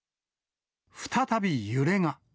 再び揺れが。